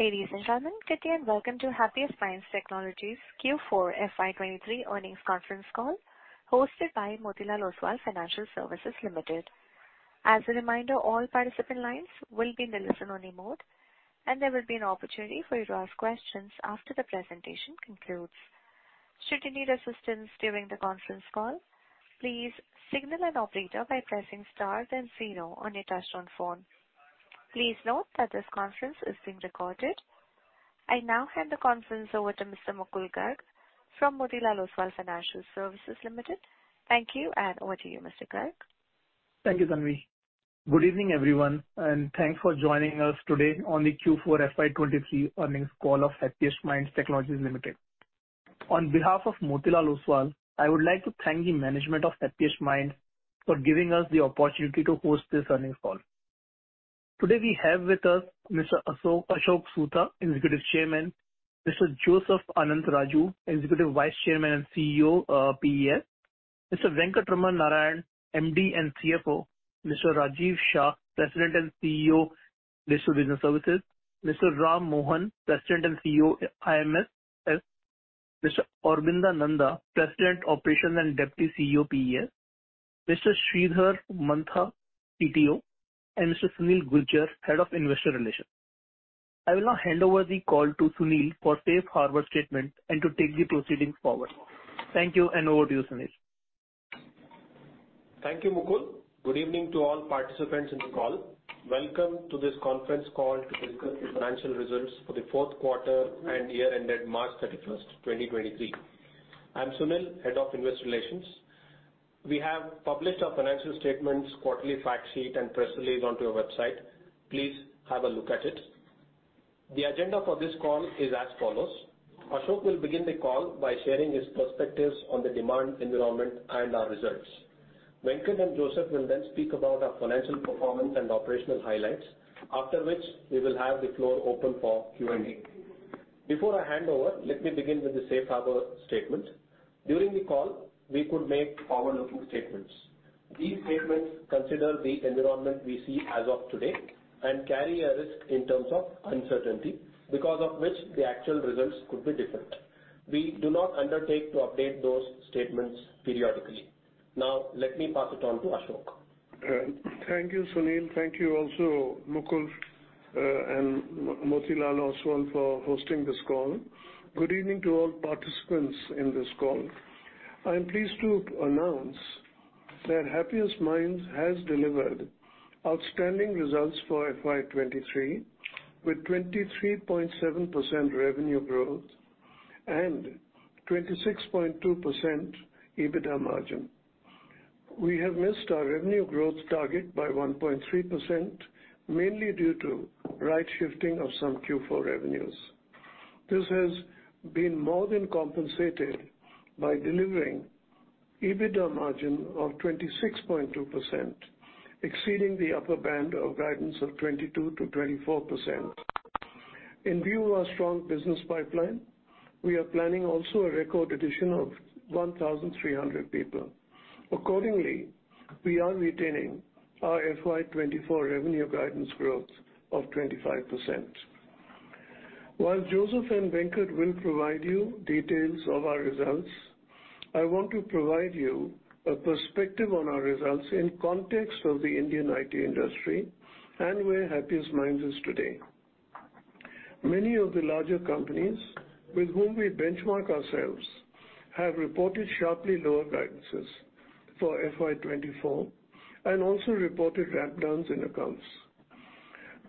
Ladies and gentlemen, good day and welcome to Happiest Minds Technologies Q4 FY23 earnings conference call hosted by Motilal Oswal Financial Services Limited. As a reminder, all participant lines will be in the listen-only mode, and there will be an opportunity for you to ask questions after the presentation concludes. Should you need assistance during the conference call, please signal an operator by pressing star then zero on your touchtone phone. Please note that this conference is being recorded. I now hand the conference over to Mr. Mukul Garg from Motilal Oswal Financial Services Limited. Thank you, and over to you, Mr. Garg. Thank you, Tanvi. Good evening, everyone, and thanks for joining us today on the Q4 FY23 earnings call of Happiest Minds Technologies Limited. On behalf of Motilal Oswal, I would like to thank the management of Happiest Minds for giving us the opportunity to host this earnings call. Today we have with us Mr. Ashok Soota, Executive Chairman, Mr. Joseph Anantharaju, Executive Vice Chairman and CEO, PES, Mr. Venkatraman Narayanan, MD and CFO, Mr. Rajiv Shah, President and CEO, Digital Business Services, Mr. Ram Mohan, President and CEO, IMSS, Mr. Aurobinda Nanda, President, Operations and Deputy CEO, PES, Mr. Sridhar Mantha, CTO, and Mr. Sunil Gujjar, Head of Investor Relations. I will now hand over the call to Sunil for safe harbor statement and to take the proceedings forward. Thank you, and over to you, Sunil. Thank you, Mukul. Good evening to all participants in the call. Welcome to this conference call to discuss the financial results for the 4th quarter and year ended March 31st, 2023. I'm Sunil, Head of Investor Relations. We have published our financial statements, quarterly fact sheet, and press release onto our website. Please have a look at it. The agenda for this call is as follows. Ashok will begin the call by sharing his perspectives on the demand environment and our results. Venkat and Joseph will then speak about our financial performance and operational highlights, after which we will have the floor open for Q&A. Before I hand over, let me begin with the safe harbor statement. During the call, we could make forward-looking statements. These statements consider the environment we see as of today and carry a risk in terms of uncertainty, because of which the actual results could be different. We do not undertake to update those statements periodically. Let me pass it on to Ashok. Thank you, Sunil. Thank you also, Mukul, Motilal Oswal for hosting this call. Good evening to all participants in this call. I'm pleased to announce that Happiest Minds has delivered outstanding results for FY23 with 23.7% revenue growth and 26.2% EBITDA margin. We have missed our revenue growth target by 1.3%, mainly due to right shifting of some Q4 revenues. This has been more than compensated by delivering EBITDA margin of 26.2%, exceeding the upper band of guidance of 22%-24%. In view of our strong business pipeline, we are planning also a record addition of 1,300 people. Accordingly, we are retaining our FY24 revenue guidance growth of 25%. While Joseph and Venkat will provide you details of our results, I want to provide you a perspective on our results in context of the Indian IT industry and where Happiest Minds is today. Many of the larger companies with whom we benchmark ourselves have reported sharply lower guidances for FY24 and also reported ramp downs in accounts.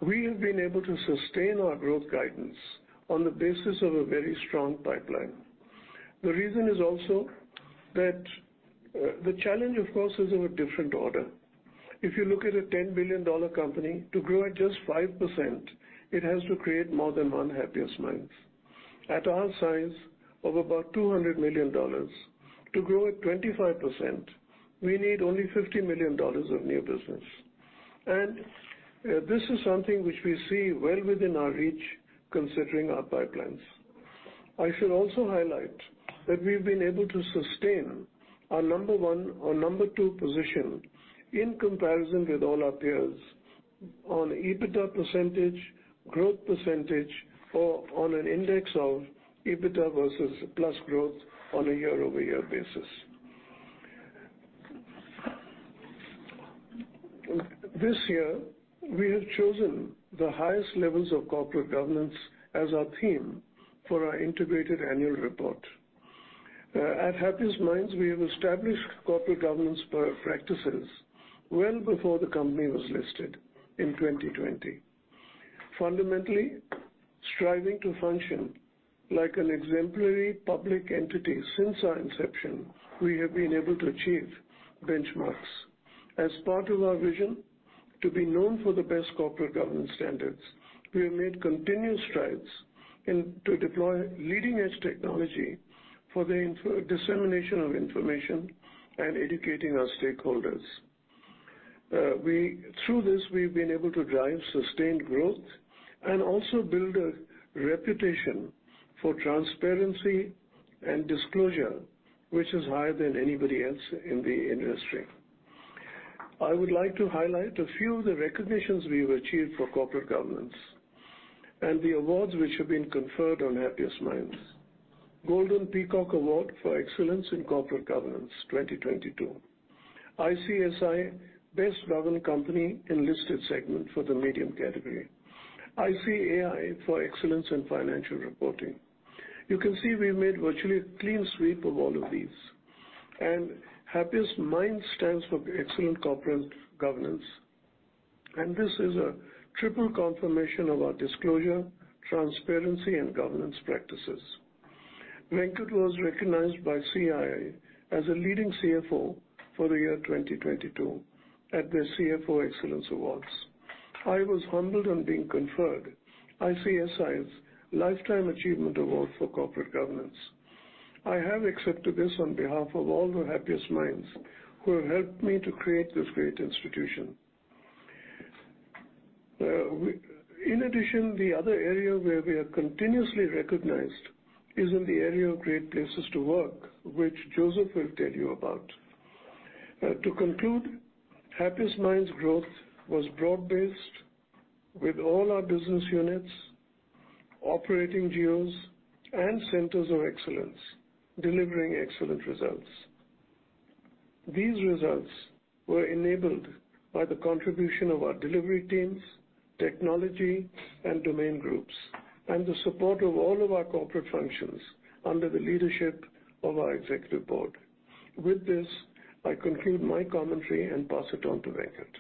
We have been able to sustain our growth guidance on the basis of a very strong pipeline. The reason is also that the challenge of course is of a different order. If you look at a $10 billion company, to grow at just 5% it has to create more than one Happiest Minds. At our size of about $200 million, to grow at 25% we need only $50 million of new business. This is something which we see well within our reach considering our pipelines. I should also highlight that we've been able to sustain our number one or number two position in comparison with all our peers on EBITDA %, growth %, or on an index of EBITDA versus plus growth on a year-over-year basis. This year, we have chosen the highest levels of corporate governance as our theme for our integrated annual report. At Happiest Minds we have established corporate governance practices well before the company was listed in 2020. Fundamentally striving to function like an exemplary public entity since our inception, we have been able to achieve benchmarks. As part of our vision to be known for the best corporate governance standards, we have made continuous strides to deploy leading-edge technology for the dissemination of information and educating our stakeholders. Through this, we've been able to drive sustained growth and also build a reputation for transparency and disclosure, which is higher than anybody else in the industry. I would like to highlight a few of the recognitions we have achieved for corporate governance and the awards which have been conferred on Happiest Minds. Golden Peacock Award for Excellence in Corporate Governance 2022. ICSI Best Government Company in listed segment for the medium category. ICAI for excellence in financial reporting. You can see we've made virtually a clean sweep of all of these. Happiest Minds stands for excellent corporate governance, and this is a triple confirmation of our disclosure, transparency, and governance practices. Venkat was recognized by CII as a leading CFO for the year 2022 at their CFO Excellence Awards. I was humbled on being conferred ICSI's Lifetime Achievement Award for Corporate Governance. I have accepted this on behalf of all the Happiest Minds who have helped me to create this great institution. In addition, the other area where we are continuously recognized is in the area of great places to work, which Joseph will tell you about. To conclude, Happiest Minds' growth was broad-based with all our business units, operating geos, and centers of excellence delivering excellent results. These results were enabled by the contribution of our delivery teams, technology and domain groups, and the support of all of our corporate functions under the leadership of our executive board. With this, I conclude my commentary and pass it on to Venkat.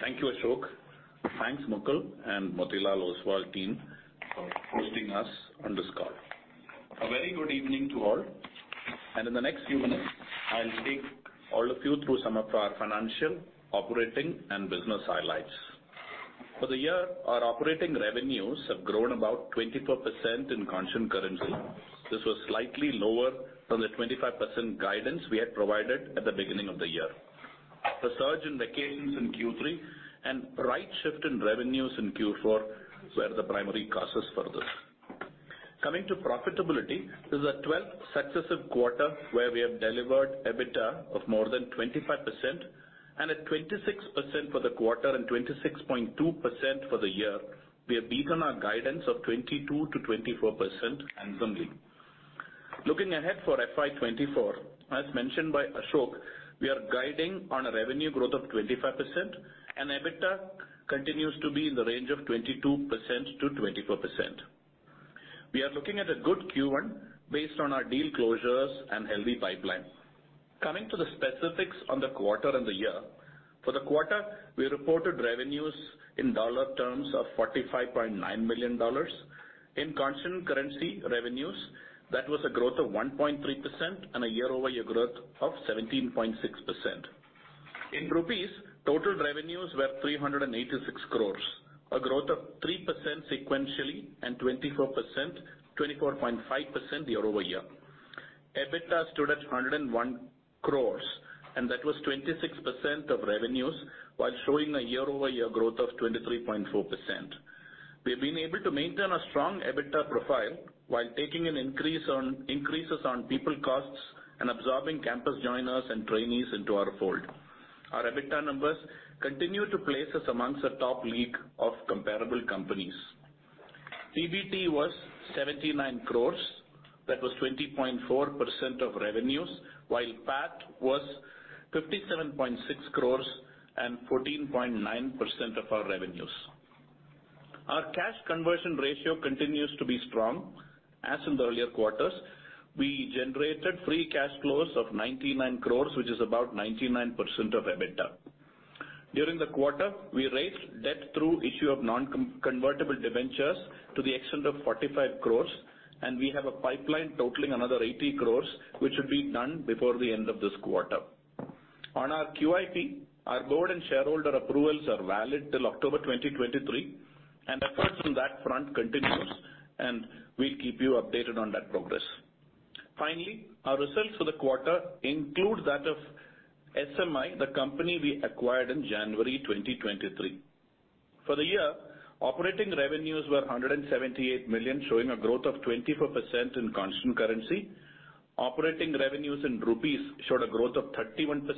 Thank you, Ashok. Thanks, Mukul and Motilal Oswal team for hosting us on this call. A very good evening to all, and in the next few minutes, I'll take all of you through some of our financial, operating, and business highlights. For the year, our operating revenues have grown about 24% in constant currency. This was slightly lower than the 25% guidance we had provided at the beginning of the year. The surge in vacations in Q3 and right shift in revenues in Q4 were the primary causes for this. Coming to profitability, this is our 12th successive quarter where we have delivered EBITDA of more than 25% and at 26% for the quarter and 26.2% for the year. We have beaten our guidance of 22%-24% handsomely. Looking ahead for FY24, as mentioned by Ashok, we are guiding on a revenue growth of 25%. EBITDA continues to be in the range of 22%-24%. We are looking at a good Q1 based on our deal closures and healthy pipeline. Coming to the specifics on the quarter and the year. For the quarter, we reported revenues in dollar terms of $45.9 million. In constant currency revenues, that was a growth of 1.3%. A year-over-year growth of 17.6%. In rupees, total revenues were 386 crores, a growth of 3% sequentially and 24.5% year-over-year. EBITDA stood at 101 crores. That was 26% of revenues, while showing a year-over-year growth of 23.4%. We've been able to maintain a strong EBITDA profile while taking increases on people costs and absorbing campus joiners and trainees into our fold. Our EBITDA numbers continue to place us amongst the top league of comparable companies. PBT was 79 crores. That was 20.4% of revenues, while PAT was 57.6 crores and 14.9% of our revenues. Our cash conversion ratio continues to be strong as in the earlier quarters. We generated free cash flows of 99 crores, which is about 99% of EBITDA. During the quarter, we raised debt through issue of non-convertible debentures to the extent of 45 crores, and we have a pipeline totaling another 80 crores, which should be done before the end of this quarter. On our QIP, our board and shareholder approvals are valid till October 2023. Efforts on that front continues. We'll keep you updated on that progress. Our results for the quarter include that of SMI, the company we acquired in January 2023. For the year, operating revenues were 178 million, showing a growth of 24% in constant currency. Operating revenues in rupees showed a growth of 31%.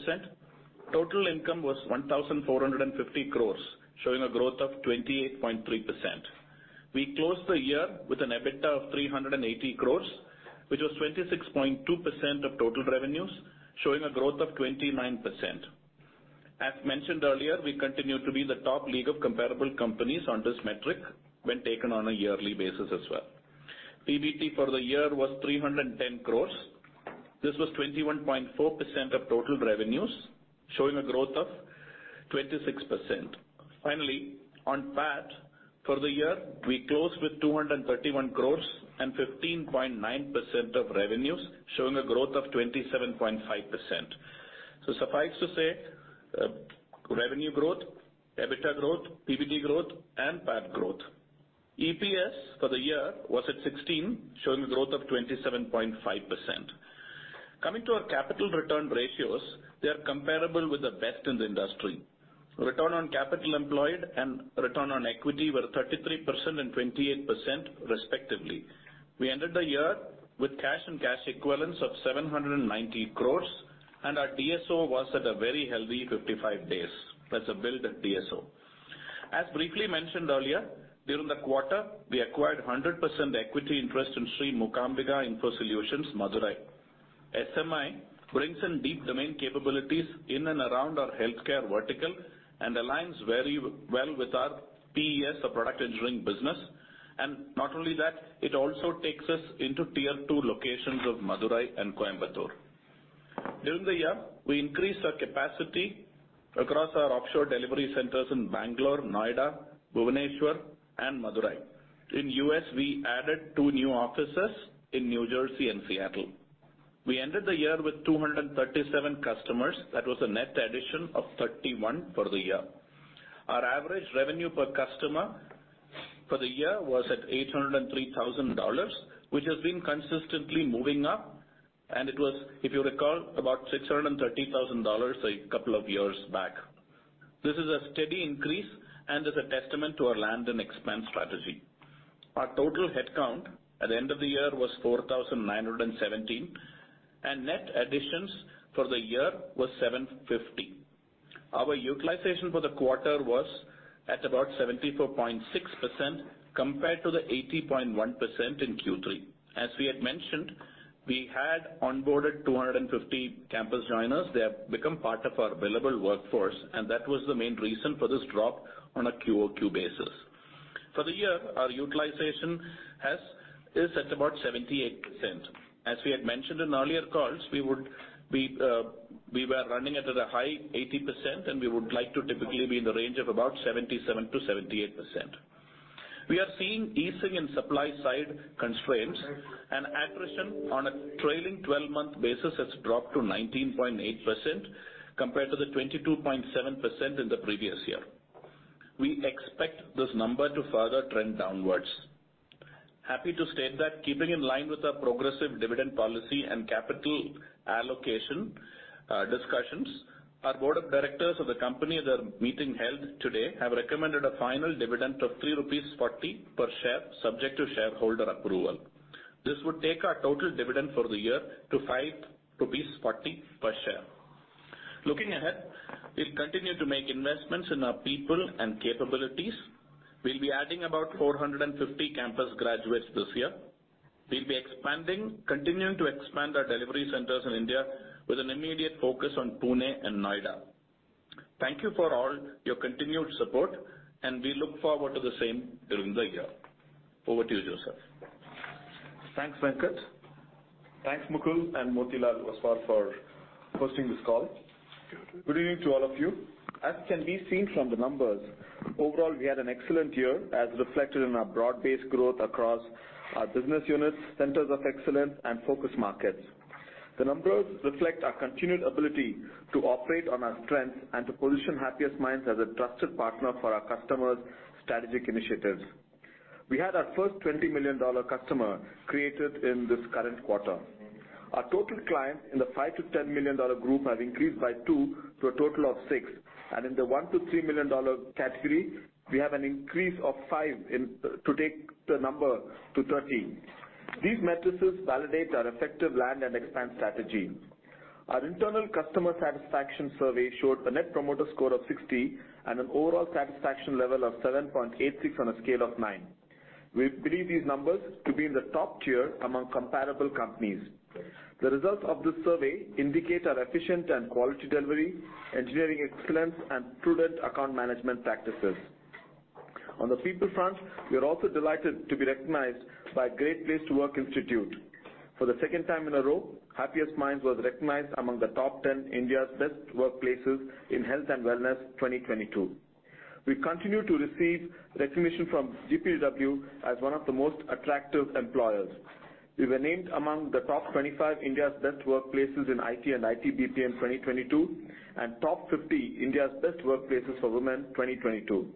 Total income was 1,450 crores, showing a growth of 28.3%. We closed the year with an EBITDA of 380 crores, which was 26.2% of total revenues, showing a growth of 29%. As mentioned earlier, we continue to be the top league of comparable companies on this metric when taken on a yearly basis as well. PBT for the year was 310 crores. This was 21.4% of total revenues, showing a growth of 26%. On PAT for the year, we closed with 231 crores and 15.9% of revenues, showing a growth of 27.5%. Suffice to say, revenue growth, EBITDA growth, PBT growth, and PAT growth. EPS for the year was at 16, showing a growth of 27.5%. Coming to our capital return ratios, they are comparable with the best in the industry. Return on capital employed and return on equity were 33% and 28% respectively. We ended the year with cash and cash equivalents of 790 crores, and our DSO was at a very healthy 55 days. That's a build of DSO. As briefly mentioned earlier, during the quarter, we acquired 100% equity interest in Sri Mookambika Infosolutions, Madurai. SMI brings in deep domain capabilities in and around our healthcare vertical and aligns very well with our PES, our product engineering business. Not only that, it also takes us into tier two locations of Madurai and Coimbatore. During the year, we increased our capacity across our offshore delivery centers in Bangalore, Noida, Bhubaneswar, and Madurai. In U.S., we added two new offices in New Jersey and Seattle. We ended the year with 237 customers. That was a net addition of 31 for the year. Our average revenue per customer for the year was at $803,000, which has been consistently moving up, and it was, if you recall, about $630,000 a couple of years back. This is a steady increase and is a testament to our land and expand strategy. Our total headcount at the end of the year was 4,917, net additions for the year was 750. Our utilization for the quarter was at about 74.6% compared to the 80.1% in Q3. As we had mentioned, we had onboarded 250 campus joiners. They have become part of our billable workforce, that was the main reason for this drop on a QoQ basis. For the year, our utilization is at about 78%. As we had mentioned in earlier calls, we were running it at a high 80%, we would like to typically be in the range of about 77%-78%. We are seeing easing in supply side constraints and attrition on a trailing twelve-month basis has dropped to 19.8% compared to the 22.7% in the previous year. We expect this number to further trend downwards. Happy to state that keeping in line with our progressive dividend policy and capital allocation discussions, our board of directors of the company at their meeting held today have recommended a final dividend of 3.40 rupees per share, subject to shareholder approval. This would take our total dividend for the year to 5.40 rupees per share. Looking ahead, we'll continue to make investments in our people and capabilities. We'll be adding about 450 campus graduates this year. We'll be continuing to expand our delivery centers in India with an immediate focus on Pune and Noida. Thank you for all your continued support, and we look forward to the same during the year. Over to you, Joseph. Thanks, Venkat. Thanks, Mukul and Motilal Oswal for hosting this call. Good evening to all of you. As can be seen from the numbers, overall, we had an excellent year as reflected in our broad-based growth across our business units, centers of excellence and focus markets. The numbers reflect our continued ability to operate on our strengths and to position Happiest Minds as a trusted partner for our customers' strategic initiatives. We had our first $20 million customer created in this current quarter. Our total clients in the $5 million-$10 million group have increased by two to a total of six, and in the $1 million-$3 million category, we have an increase of five to take the number to 13. These metrics validate our effective land and expand strategy. Our internal customer satisfaction survey showed a net promoter score of 60 and an overall satisfaction level of 7.86 on a scale of nine. We believe these numbers to be in the top tier among comparable companies. The results of this survey indicate our efficient and quality delivery, engineering excellence and prudent account management practices. On the people front, we are also delighted to be recognized by Great Place To Work Institute. For the second time in a row, Happiest Minds was recognized among the 10 India's Best Workplaces in Health and Wellness 2022. We continue to receive recognition from GPTW as one of the most attractive employers. We were named among the top 25 India's Best Workplaces in IT and IT BPM 2022, and top 50 India's Best Workplaces for Women, 2022.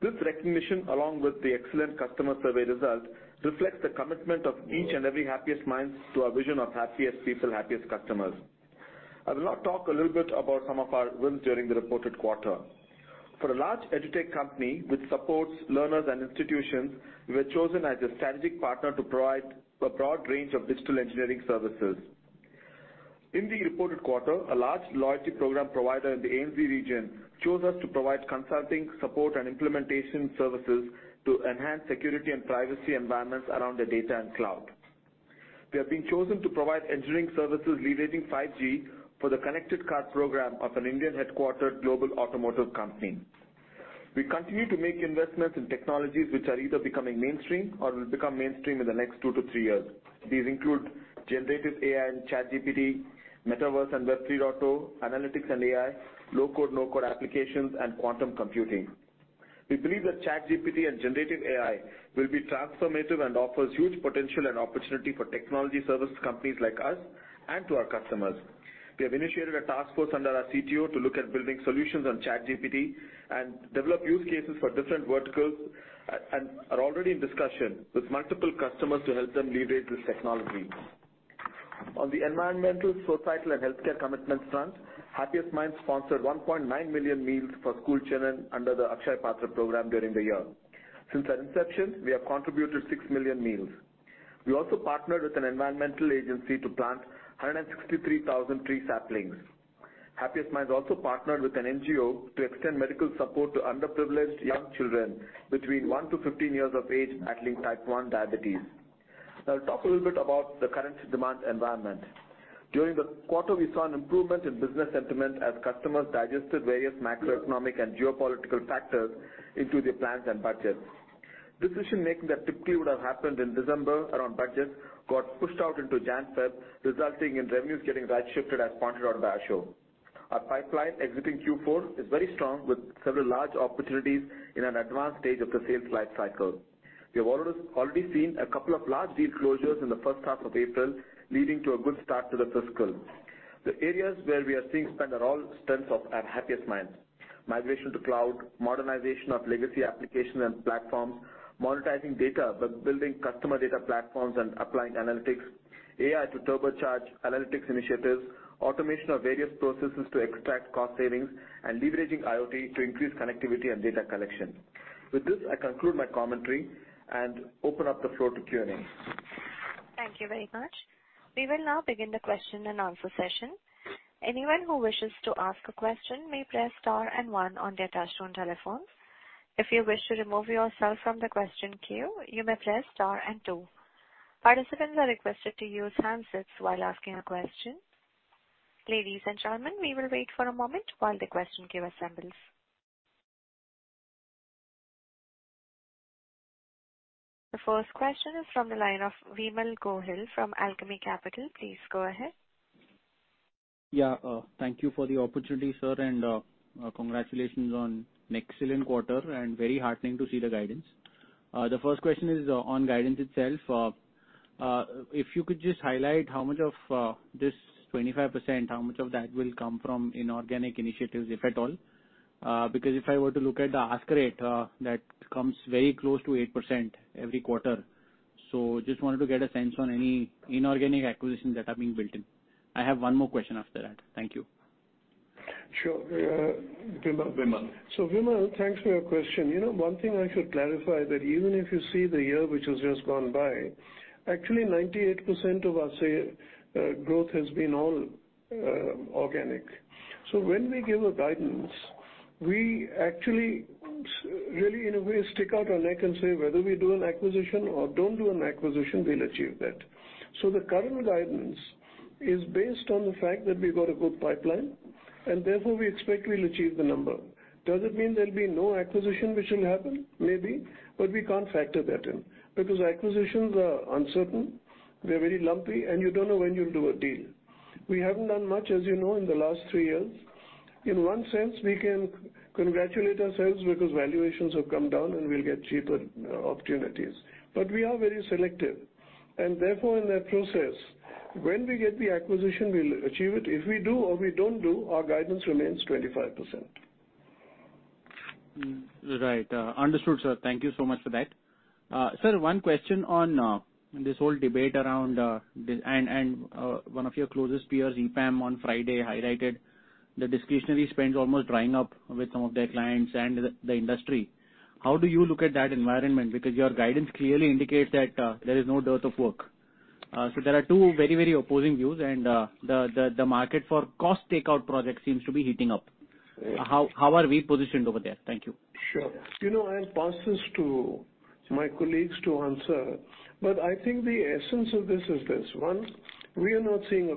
This recognition, along with the excellent customer survey result, reflects the commitment of each and every Happiest Minds to our vision of happiest people, happiest customers. I will now talk a little bit about some of our wins during the reported quarter. For a large edutech company which supports learners and institutions, we were chosen as a strategic partner to provide a broad range of digital engineering services. In the reported quarter, a large loyalty program provider in the ANZ region chose us to provide consulting, support and implementation services to enhance security and privacy environments around their data and cloud. We have been chosen to provide engineering services leveraging 5G for the connected car program of an Indian-headquartered global automotive company. We continue to make investments in technologies which are either becoming mainstream or will become mainstream in the next two-three years. These include generative AI and ChatGPT, Metaverse and Web 3.0, analytics and AI, low-code, no-code applications and quantum computing. We believe that ChatGPT and generative AI will be transformative and offers huge potential and opportunity for technology service companies like us and to our customers. We have initiated a task force under our CTO to look at building solutions on ChatGPT and develop use cases for different verticals, and are already in discussion with multiple customers to help them leverage this technology. On the environmental, societal and healthcare commitments front, Happiest Minds sponsored 1.9 million meals for school children under the Akshaya Patra program during the year. Since our inception, we have contributed 6 million meals. We also partnered with an environmental agency to plant 163,000 tree saplings. Happiest Minds also partnered with an NGO to extend medical support to underprivileged young children between one to 15 years of age battling Type 1 diabetes. I'll talk a little bit about the current demand environment. During the quarter, we saw an improvement in business sentiment as customers digested various macroeconomic and geopolitical factors into their plans and budgets. Decision-making that typically would have happened in December around budgets got pushed out into Jan-Feb, resulting in revenues getting right-shifted, as pointed out by Ashok. Our pipeline exiting Q4 is very strong, with several large opportunities in an advanced stage of the sales life cycle. We have already seen a couple of large deal closures in the first half of April, leading to a good start to the fiscal. The areas where we are seeing spend are all strengths of Happiest Minds. Migration to cloud, modernization of legacy application and platforms, monetizing data by building customer data platforms and applying analytics, AI to turbocharge analytics initiatives, automation of various processes to extract cost savings, and leveraging IoT to increase connectivity and data collection. With this, I conclude my commentary and open up the floor to Q&A. Thank you very much. We will now begin the question-and-answer session. Anyone who wishes to ask a question may press star and one on their touch-tone telephones. If you wish to remove yourself from the question queue, you may press star and two. Participants are requested to use handsets while asking a question. Ladies and gentlemen, we will wait for a moment while the question queue assembles. The first question is from the line of Vimal Gohil from Alchemy Capital. Please go ahead. Thank you for the opportunity, sir, and congratulations on an excellent quarter and very heartening to see the guidance. The first question is on guidance itself. If you could just highlight how much of this 25%, how much of that will come from inorganic initiatives, if at all? Because if I were to look at the ask rate, that comes very close to 8% every quarter. Just wanted to get a sense on any inorganic acquisitions that are being built in. I have one more question after that. Thank you. Sure. Vimal? Vimal. Vimal, thanks for your question. You know, one thing I should clarify that even if you see the year which has just gone by, actually 98% of our sale growth has been all organic. When we give a guidance, we actually really, in a way, stick out our neck and say whether we do an acquisition or don't do an acquisition, we'll achieve that. The current guidance is based on the fact that we've got a good pipeline and therefore we expect we'll achieve the number. Does it mean there'll be no acquisition which will happen? Maybe, we can't factor that in because acquisitions are uncertain, they're very lumpy, and you don't know when you'll do a deal. We haven't done much, as you know, in the last three years. In one sense, we can congratulate ourselves because valuations have come down and we'll get cheaper, opportunities. We are very selective and therefore in that process, when we get the acquisition, we'll achieve it. If we do or we don't do, our guidance remains 25%. Right. Understood, sir. Thank you so much for that. Sir, one question on this whole debate around this. One of your closest peers, EPAM on Friday highlighted the discretionary spend almost drying up with some of their clients and the industry. How do you look at that environment? Your guidance clearly indicates that there is no dearth of work. There are two very, very opposing views and the market for cost takeout projects seems to be heating up. Right. How are we positioned over there? Thank you. Sure. You know, I'll pass this to my colleagues to answer, but I think the essence of this is this. One, we are not seeing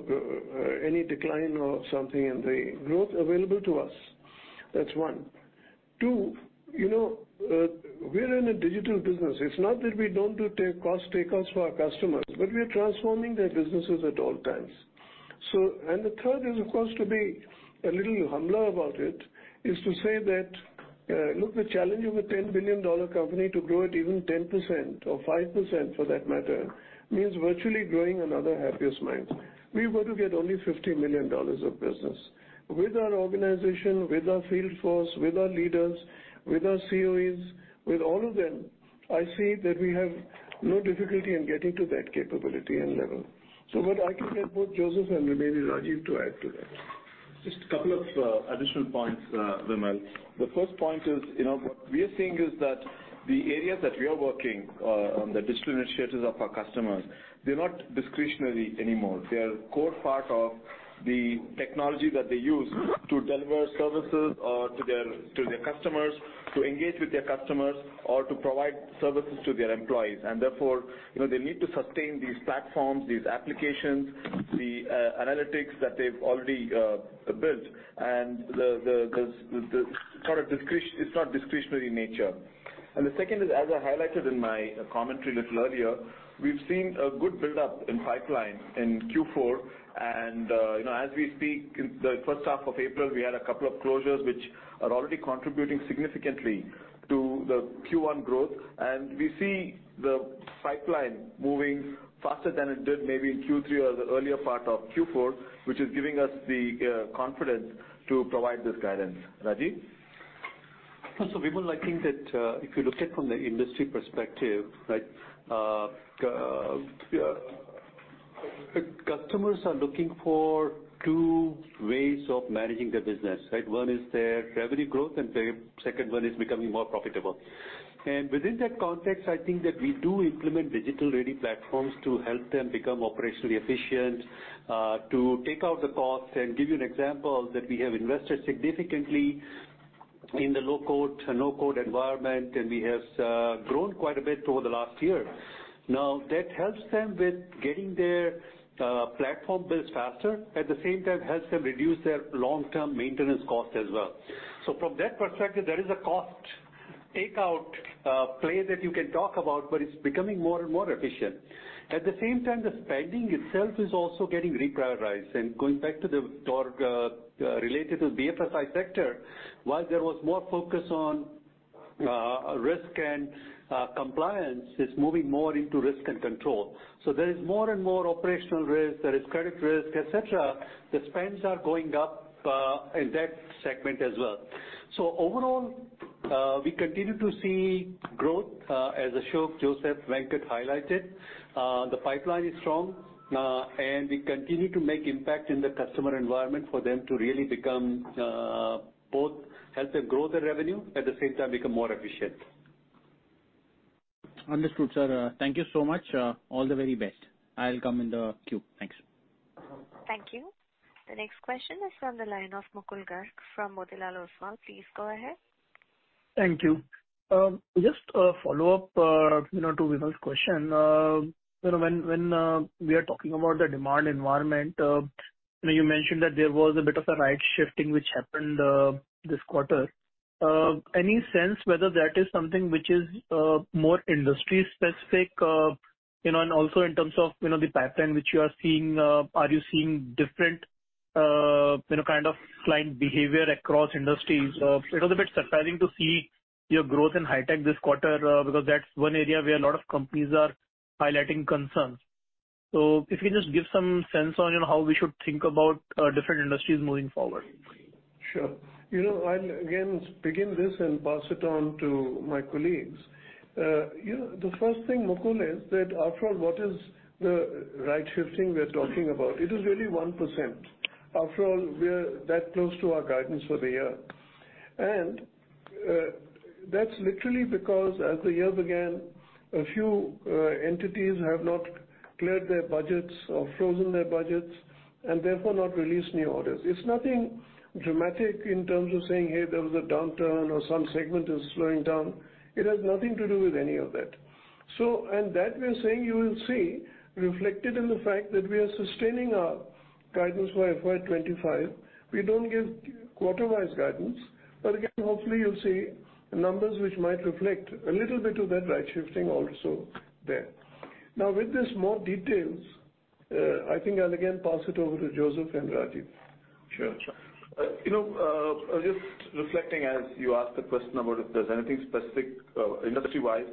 any decline or something in the growth available to us. That's one. Two, you know, we're in a digital business. It's not that we don't do take cost takeouts for our customers, but we are transforming their businesses at all times. The third is of course to be a little humbler about it, is to say that, look, the challenge of a $10 billion company to grow at even 10% or 5% for that matter, means virtually growing another Happiest Minds. We've got to get only $50 million of business. With our organization, with our field force, with our leaders, with our COEs, with all of them, I say that we have no difficulty in getting to that capability and level. I can get both Joseph and maybe Rajiv to add to that. Just a couple of additional points, Vimal. The first point is, you know, what we are seeing is that the areas that we are working on the digital initiatives of our customers, they're not discretionary anymore. They are core part of the technology that they use to deliver services to their customers, to engage with their customers or to provide services to their employees. Therefore, you know, they need to sustain these platforms, these applications, the analytics that they've already built. Sorry, It's not discretionary in nature. The second is, as I highlighted in my commentary little earlier, we've seen a good build-up in pipeline in Q4. you know, as we speak, in the first half of April, we had a couple of closures which are already contributing significantly to the Q1 growth. We see the pipeline moving faster than it did maybe in Q3 or the earlier part of Q4, which is giving us the confidence to provide this guidance. Rajiv? Vimal, I think that, if you look at from the industry perspective, right? Customers are looking for two ways of managing their business, right? One is their revenue growth, and the second one is becoming more profitable. Within that context, I think that we do implement digital-ready platforms to help them become operationally efficient, to take out the costs. Give you an example that we have invested significantly in the low-code, no-code environment, and we have grown quite a bit over the last year. That helps them with getting their platform built faster. At the same time, helps them reduce their long-term maintenance costs as well. From that perspective, there is a cost take-out, play that you can talk about, but it's becoming more and more efficient. At the same time, the spending itself is also getting reprioritized. Related to BFSI sector, while there was more focus on risk and compliance, it's moving more into risk and control. There is more and more operational risk, there is credit risk, et cetera. The spends are going up in that segment as well. Overall, we continue to see growth as Ashok, Joseph, Venkat highlighted. The pipeline is strong. We continue to make impact in the customer environment for them to really both help them grow their revenue, at the same time become more efficient. Understood, sir. Thank you so much. All the very best. I'll come in the queue. Thanks. Thank you. The next question is from the line of Mukul Garg from Motilal Oswal. Please go ahead. Thank you. Just a follow-up, you know, to Vimal question. You know, when we are talking about the demand environment, you know, you mentioned that there was a bit of a right shifting which happened this quarter. Any sense whether that is something which is more industry specific, you know, and also in terms of, you know, the pipeline which you are seeing, are you seeing different, you know, kind of client behavior across industries? It was a bit surprising to see your growth in high-tech this quarter, because that's one area where a lot of companies are highlighting concerns. If you just give some sense on, you know, how we should think about different industries moving forward. Sure. You know, I'll again begin this and pass it on to my colleagues. You know, the first thing, Mukul, is that after all what is the right-shifting we are talking about? It is really 1%. After all, we're that close to our guidance for the year. That's literally because as the year began, a few entities have not cleared their budgets or frozen their budgets, and therefore not released new orders. It's nothing dramatic in terms of saying, "Hey, there was a downturn," or some segment is slowing down. It has nothing to do with any of that. That we are saying you will see reflected in the fact that we are sustaining our guidance for FY25. We don't give quarter-wise guidance, again, hopefully you'll see numbers which might reflect a little bit of that right-shifting also there. With this more details, I think I'll again pass it over to Joseph and Rajiv. Sure. Sure. You know, just reflecting as you asked the question about if there's anything specific industry-wise,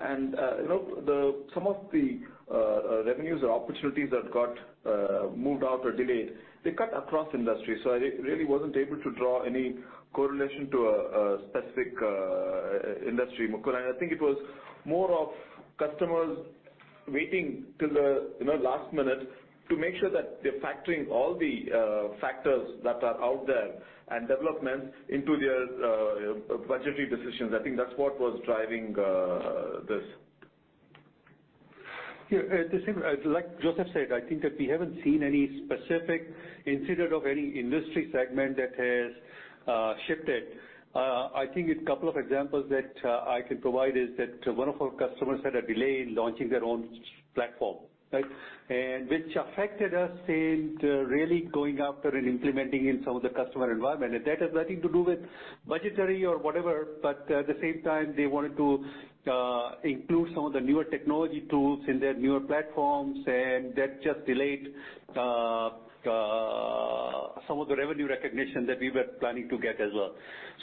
and, you know, some of the revenues or opportunities that got moved out or delayed, they cut across industries, so I really wasn't able to draw any correlation to a specific industry, Mukul. I think it was more of customers waiting till the, you know, last minute to make sure that they're factoring all the factors that are out there and developments into their budgetary decisions. I think that's what was driving this. Yeah. The same, like Joseph said, I think that we haven't seen any specific incident of any industry segment that has shifted. I think a couple of examples that I can provide is that one of our customers had a delay in launching their own platform, right? Which affected us in really going after and implementing in some of the customer environment. That has nothing to do with budgetary or whatever, but at the same time, they wanted to include some of the newer technology tools in their newer platforms. That just delayed some of the revenue recognition that we were planning to get as well.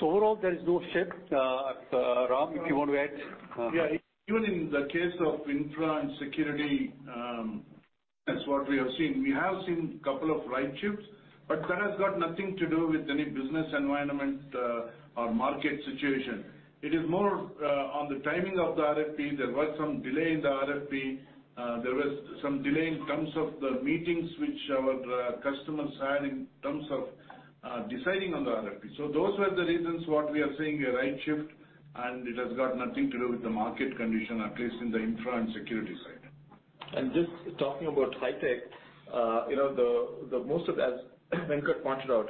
Overall, there is no shift. Ram, if you want to add. Even in the case of infra and security, that's what we have seen. We have seen a couple of right shifts, but that has got nothing to do with any business environment or market situation. It is more on the timing of the RFP. There was some delay in the RFP. There was some delay in terms of the meetings which our customers had in terms of deciding on the RFP. Those were the reasons what we are seeing a right shift, and it has got nothing to do with the market condition, at least in the infra and security side. Just talking about high-tech, you know, the most of that, as Venkat pointed out,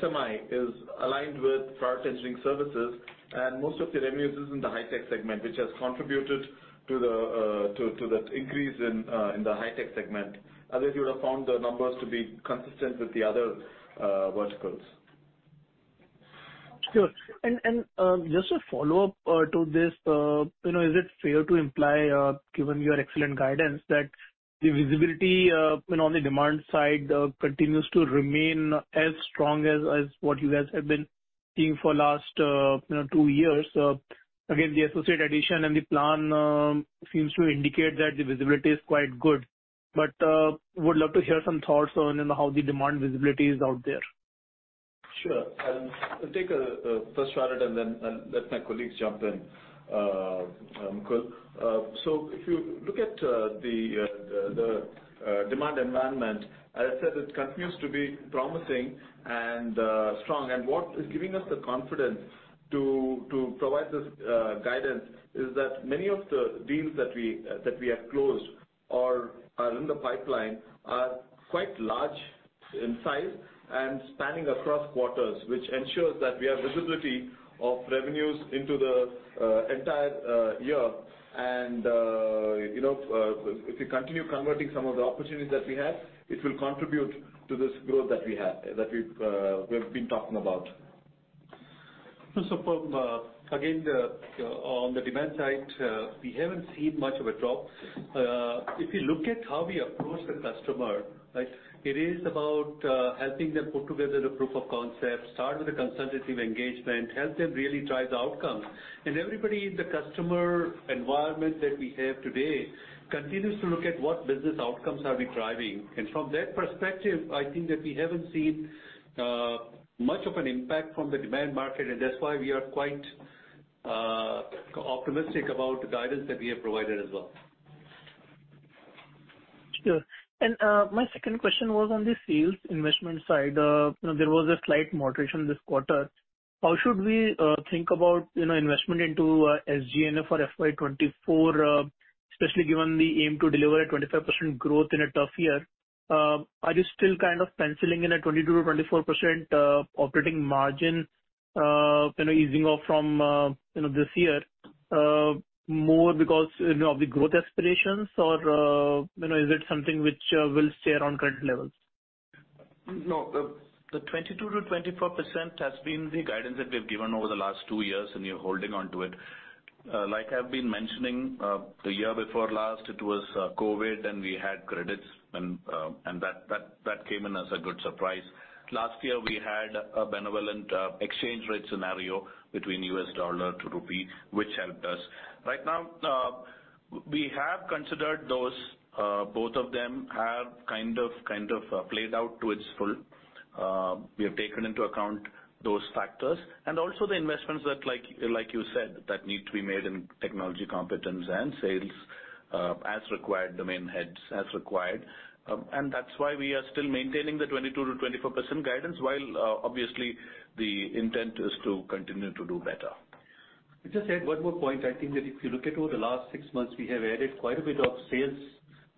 SMI is aligned with Product Engineering Services, and most of the revenues is in the high-tech segment, which has contributed to that increase in the high-tech segment. Otherwise, you would have found the numbers to be consistent with the other verticals. Sure. Just a follow-up to this. You know, is it fair to imply, given your excellent guidance, that the visibility, you know, on the demand side, continues to remain as strong as what you guys have been seeing for last, you know, two years? Again, the associate addition and the plan seems to indicate that the visibility is quite good. Would love to hear some thoughts on how the demand visibility is out there. Sure. I'll take a first shot at it and then let my colleagues jump in, Mukul. If you look at the demand environment, as I said, it continues to be promising and strong. What is giving us the confidence to provide this guidance is that many of the deals that we have closed or are in the pipeline are quite large in size and spanning across quarters, which ensures that we have visibility of revenues into the entire year. You know, if we continue converting some of the opportunities that we have, it will contribute to this growth that we have been talking about. From again, on the demand side, we haven't seen much of a drop. If you look at how we approach the customer, right? It is about helping them put together the proof of concept, start with the consultative engagement, help them really drive the outcome. Everybody in the customer environment that we have today continues to look at what business outcomes are we driving. From their perspective, I think that we haven't seen much of an impact from the demand market, and that's why we are quite optimistic about the guidance that we have provided as well. Sure. My second question was on the sales investment side. You know, there was a slight moderation this quarter. How should we think about, you know, investment into SG&A for FY24, especially given the aim to deliver a 25% growth in a tough year. Are you still kind of penciling in a 22%-24% operating margin, you know, easing off from, you know, this year? More because, you know, of the growth aspirations or, you know, is it something which will stay around current levels? No. The 22%-24% has been the guidance that we've given over the last two years, and we're holding onto it. Like I've been mentioning, the year before last it was COVID, and we had credits and that came in as a good surprise. Last year, we had a benevolent exchange rate scenario between US dollar to rupee, which helped us. Right now, we have considered those, both of them have kind of played out to its full. We have taken into account those factors and also the investments that like you said, that need to be made in technology competence and sales, as required, domain heads as required. That's why we are still maintaining the 22%-24% guidance, while obviously the intent is to continue to do better. I'll just add one more point. I think that if you look at over the last six months, we have added quite a bit of sales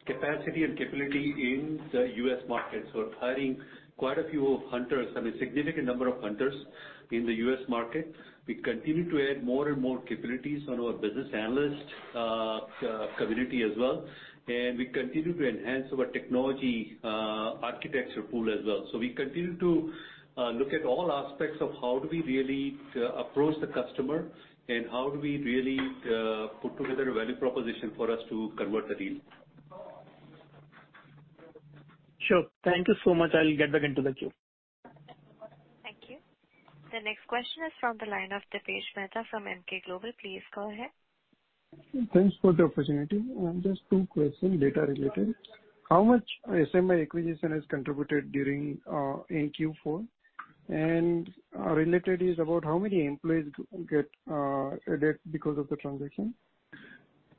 capacity and capability in the U.S. market. We're hiring quite a few hunters. I mean, significant number of hunters in the U.S. market. We continue to add more and more capabilities on our business analyst community as well. We continue to enhance our technology architecture pool as well. We continue to look at all aspects of how do we really approach the customer and how do we really put together a value proposition for us to convert the deal. Sure. Thank you so much. I'll get back into the queue. Thank you. The next question is from the line of Deepesh Mehta from Emkay Global. Please go ahead. Thanks for the opportunity. Just 2 questions, data related. How much SMI acquisition has contributed during in Q4? Related is about how many employees get added because of the transaction?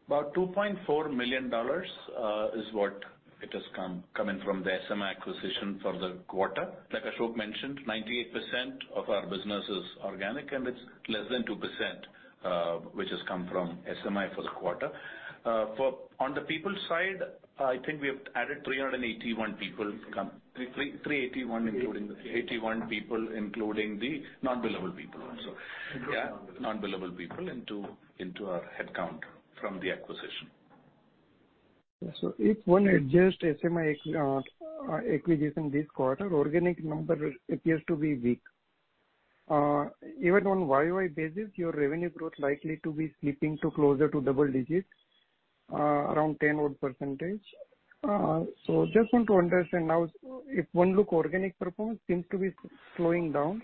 About $2.4 million is what it has come in from the SMI acquisition for the quarter. Like Ashok mentioned, 98% of our business is organic, and it's less than 2% which has come from SMI for the quarter. On the people side, I think we have added 381 people including- Eight. 381 people, including the non-billable people also. Including non-billable. Yeah, non-billable people into our headcount from the acquisition. If one adjust SMI acquisition this quarter, organic number appears to be weak. Even on YOY basis, your revenue growth likely to be slipping to closer to double digits, around 10 odd %. Just want to understand now if one look organic performance seems to be slowing down.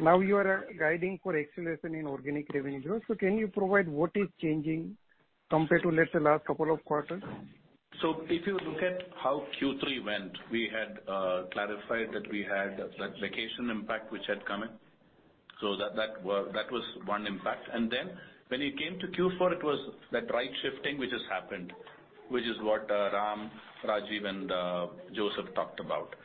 Now you are guiding for acceleration in organic revenue growth. Can you provide what is changing compared to, let's say, last couple of quarters? If you look at how Q3 went, we had clarified that we had that vacation impact which had come in. That was one impact. When it came to Q4, it was that right shifting which has happened, which is what Ram Mohan, Rajiv Shah, and Joseph Anantharaju talked about.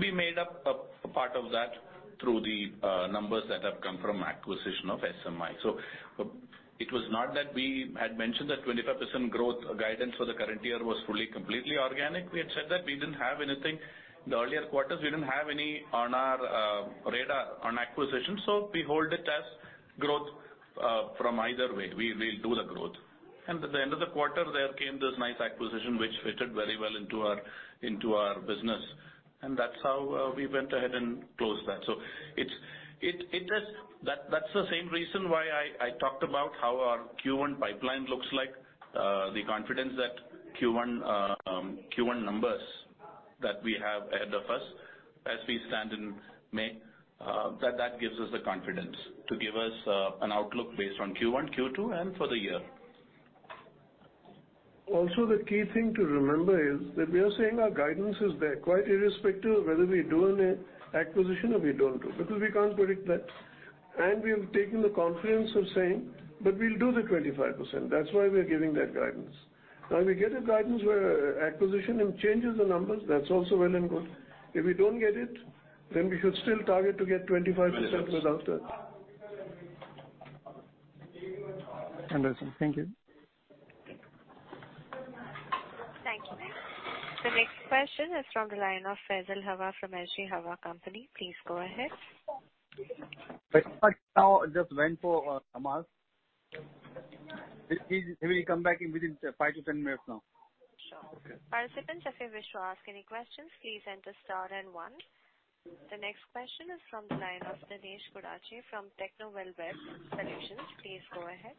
We made up a part of that through the numbers that have come from acquisition of Sri Mookambika Infosolutions. It was not that we had mentioned that 25% growth guidance for the current year was fully, completely organic. We had said that we didn't have anything. The earlier quarters, we didn't have any on our radar on acquisition. We hold it as growth from either way. We'll do the growth. At the end of the quarter, there came this nice acquisition which fitted very well into our business, and that's how we went ahead and closed that. It just... That's the same reason why I talked about how our Q1 pipeline looks like. The confidence that Q1 numbers... That we have ahead of us as we stand in May, that gives us the confidence to give us an outlook based on Q1, Q2, and for the year. The key thing to remember is that we are saying our guidance is there quite irrespective of whether we're doing a acquisition or we don't do, because we can't predict that. We have taken the confidence of saying that we'll do the 25%. That's why we are giving that guidance. If we get a guidance where acquisition, it changes the numbers, that's also well and good. If we don't get it, we should still target to get 25% without that. Understood. Thank you. Thank you. The next question is from the line of Faisul Hawa from H.G. Hawa Company. Please go ahead. Faisul Hawa just went for a mask. He will come back in within 5-10 minutes now. Sure. Okay. Participants, if you wish to ask any questions, please enter star and one. The next question is from the line of Dinesh Gudge from Technowell Web Solutions. Please go ahead.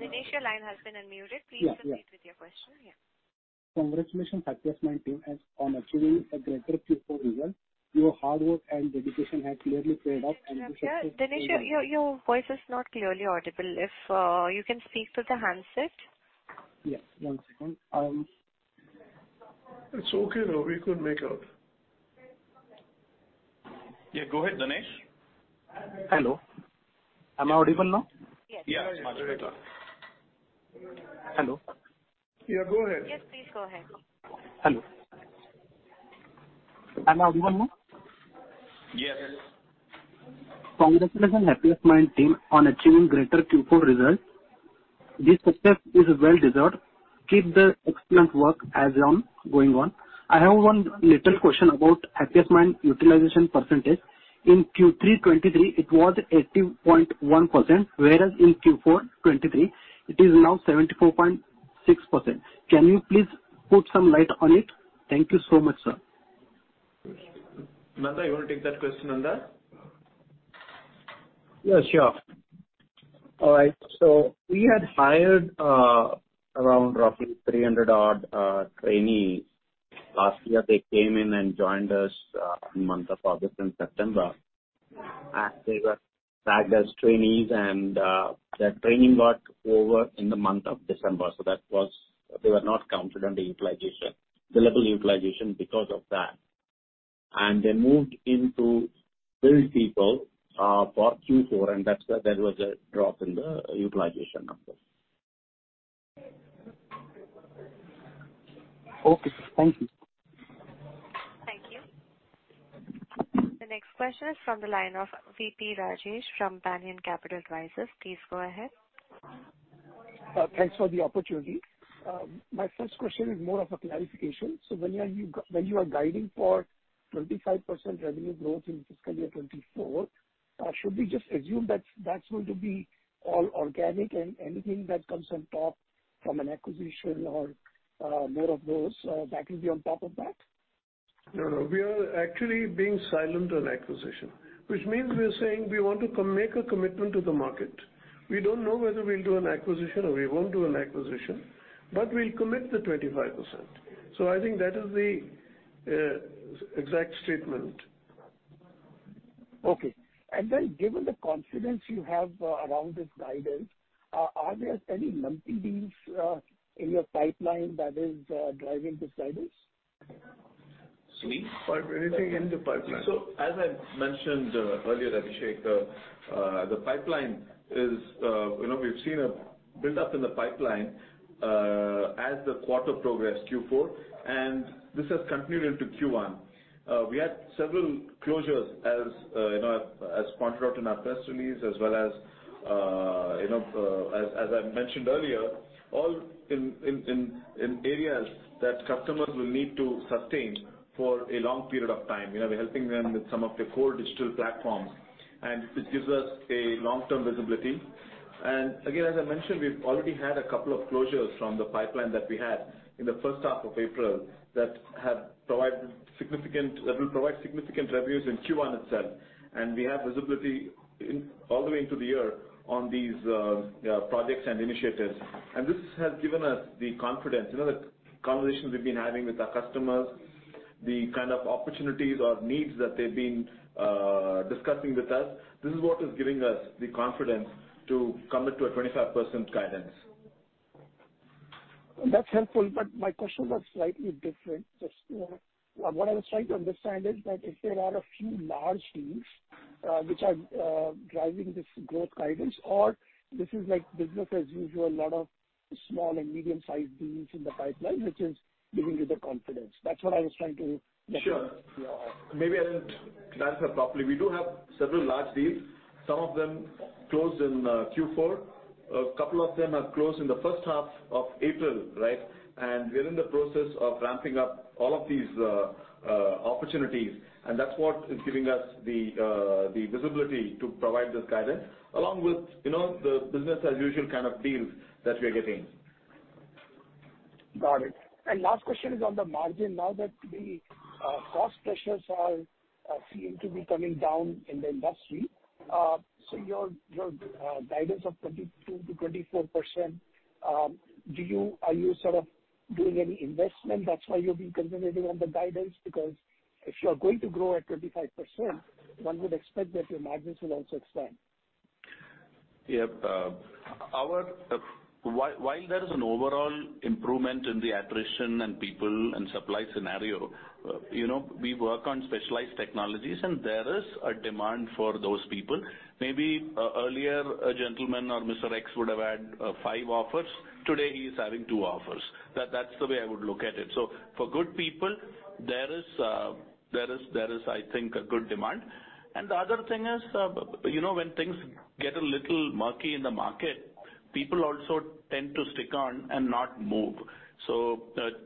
Dinesh, your line has been unmuted. Yeah, yeah. Please proceed with your question. Yeah. Congratulations, Happiest Minds team on achieving a greater Q4 result. Your hard work and dedication has clearly paid off. Dinesh, your voice is not clearly audible. If you can speak with a handset. Yeah. One second. It's okay now. We could make out. Yeah. Go ahead, Dinesh. Hello. Am I audible now? Yes. Yeah. Much better. Hello. Yeah. Go ahead. Yes, please go ahead. Hello. Am I audible now? Yes. Congratulations, Happiest Minds team on achieving greater Q4 results. This success is well deserved. Keep the excellent work as on going on. I have one little question about Happiest Minds utilization percentage. In Q3 '23 it was 80.1%, whereas in Q4 '23 it is now 74.6%. Can you please put some light on it? Thank you so much, sir. Nanda, you wanna take that question, Nanda? Yeah, sure. All right. We had hired around roughly 300 odd trainees last year. They came in and joined us in the month of August and September, and they were tagged as trainees and their training got over in the month of December. They were not counted on the utilization, billable utilization because of that. They moved into bill people for Q4, and that's where there was a drop in the utilization numbers. Okay. Thank you. Thank you. The next question is from the line of VP Rajesh from Banyan Capital Advisors. Please go ahead. Thanks for the opportunity. My first question is more of a clarification. When you are guiding for 25% revenue growth in FY24, should we just assume that that's going to be all organic and anything that comes on top from an acquisition or, more of those, that will be on top of that? No, no. We are actually being silent on acquisition, which means we are saying we want to make a commitment to the market. We don't know whether we'll do an acquisition or we won't do an acquisition, we'll commit the 25%. I think that is the exact statement. Okay. Given the confidence you have, around this guidance, are there any multi deals, in your pipeline that is, driving this guidance? Sandeep? Anything in the pipeline. As I mentioned, earlier, Rajesh, the pipeline is... you know, we've seen a build-up in the pipeline, as the quarter progressed, Q4, and this has continued into Q1. We had several closures, as, you know, as pointed out in our press release, as well as, you know, as I mentioned earlier, all in areas that customers will need to sustain for a long period of time. You know, we're helping them with some of their core digital platforms. This gives us a long-term visibility. Again, as I mentioned, we've already had a couple of closures from the pipeline that we had in the first half of April that will provide significant revenues in Q1 itself. We have visibility in... all the way into the year on these projects and initiatives. This has given us the confidence. You know, the conversations we've been having with our customers, the kind of opportunities or needs that they've been discussing with us, this is what is giving us the confidence to commit to a 25% guidance. That's helpful. My question was slightly different. Just, what I was trying to understand is that if there are a few large deals, which are, driving this growth guidance or this is like business as usual, a lot of small and medium sized deals in the pipeline, which is giving you the confidence. That's what I was trying to get- Sure. -clarify. Maybe I didn't clarify properly. We do have several large deals. Some of them closed in Q4. A couple of them have closed in the first half of April, right? We are in the process of ramping up all of these opportunities, and that's what is giving us the visibility to provide this guidance along with, you know, the business-as-usual kind of deals that we are getting. Got it. Last question is on the margin now that the cost pressures are seem to be coming down in the industry. Your, your guidance of 22%-24%, are you sort of doing any investment, that's why you're being conservative on the guidance? If you are going to grow at 25%, one would expect that your margins will also expand. Yep. While there is an overall improvement in the attrition in people and supply scenario, you know, we work on specialized technologies, there is a demand for those people. Maybe earlier, a gentleman or Mr. X would have had five offers. Today, he is having two offers. That's the way I would look at it. For good people, there is, I think, a good demand. The other thing is, you know, when things get a little murky in the market, people also tend to stick on and not move.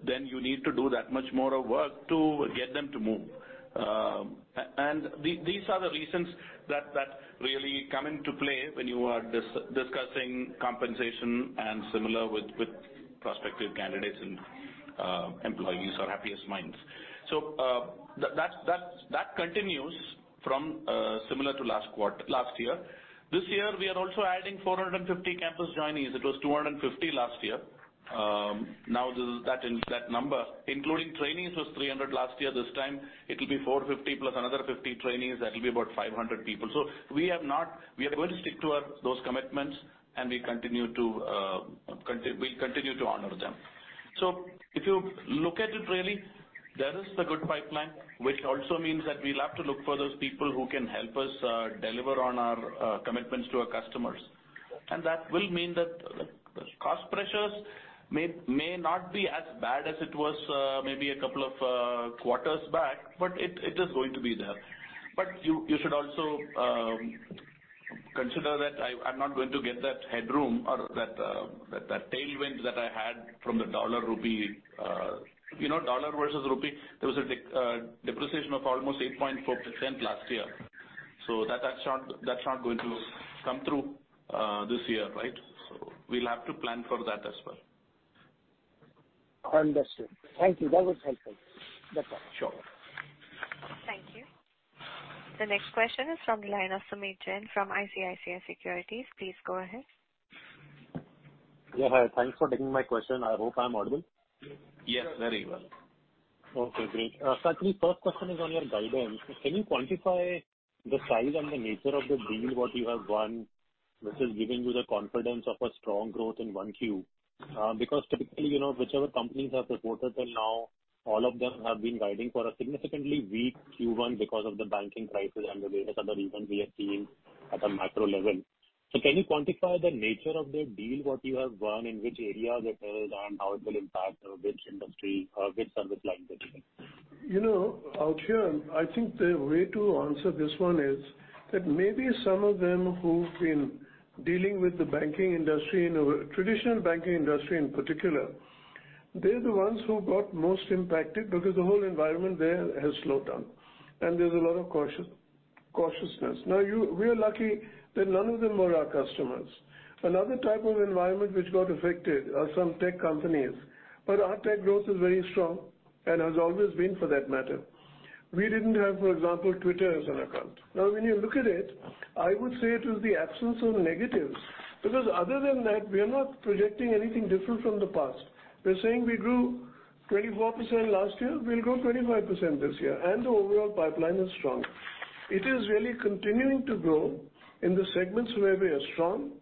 Then you need to do that much more of work to get them to move. These are the reasons that really come into play when you are discussing compensation and similar with prospective candidates and employees or Happiest Minds. That continues from similar to last year. This year we are also adding 450 campus joinees. It was 250 last year. Now this is that number, including trainees, was 300 last year. This time it'll be 450 plus another 50 trainees. That'll be about 500 people. We have not... we are going to stick to those commitments, and we continue to honor them. If you look at it really, there is a good pipeline, which also means that we'll have to look for those people who can help us deliver on our commitments to our customers. That will mean that the cost pressures may not be as bad as it was, maybe a couple of quarters back, but it is going to be there. You should also consider that I'm not going to get that headroom or that tailwind that I had from the dollar rupee, you know, dollar versus rupee. There was a depreciation of almost 8.4% last year. That's not going to come through this year, right? We'll have to plan for that as well. Understood. Thank you. That was helpful. That's all. Sure. Thank you. The next question is from the line of Sumit Jain from ICICI Securities. Please go ahead. Yeah. Hi. Thanks for taking my question. I hope I'm audible. Yes, very well. Okay, great. Actually, first question is on your guidance. Can you quantify the size and the nature of the deal what you have won, which is giving you the confidence of a strong growth in Q1? Because typically, you know, whichever companies have reported till now, all of them have been guiding for a significantly weak Q1 because of the banking crisis and the various other reasons we are seeing at a macro level. Can you quantify the nature of the deal, what you have won, in which area it is and how it will impact, which industry, which service line it is? You know, Sumit, I think the way to answer this one is that maybe some of them who've been dealing with the banking industry, you know, traditional banking industry in particular, they're the ones who got most impacted because the whole environment there has slowed down and there's a lot of cautiousness. We are lucky that none of them were our customers. Another type of environment which got affected are some tech companies, but our tech growth is very strong and has always been for that matter. We didn't have, for example, Twitter as an account. Now, when you look at it, I would say it was the absence of negatives, because other than that, we are not projecting anything different from the past. We're saying we grew 24% last year. We'll grow 25% this year. The overall pipeline is strong. It is really continuing to grow in the segments where we are strong,